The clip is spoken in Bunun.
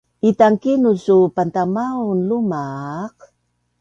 Itankinuz suu pantamaun lumaq?